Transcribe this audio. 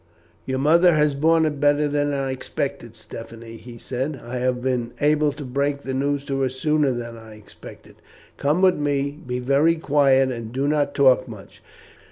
"Your mother has borne it better than I expected, Stephanie," he said. "I have been able to break the news to her sooner than I expected. Come with me; be very quiet and do not talk much.